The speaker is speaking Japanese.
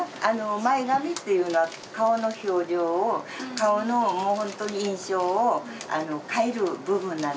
前髪っていうのは顔の表情を顔のもう本当に印象を変える部分なんですね。